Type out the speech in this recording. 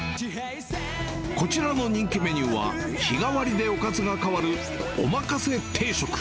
こちらの人気メニューは、日替わりでおかずが変わる、おまかせ定食。